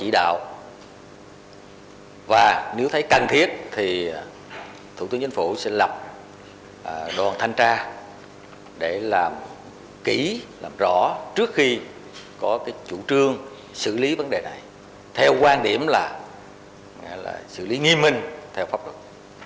để làm kỹ làm rõ trước khi có chủ trương xử lý vấn đề này theo quan điểm là xử lý nghiêm minh theo pháp luật